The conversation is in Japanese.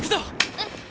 えっ。